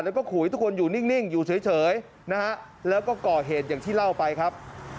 แล้วก็ขู่ให้ทุกคนอยู่นิ่งอยู่เฉยนะฮะแล้วก็ก่อเหตุอย่างที่เล่าไปครับ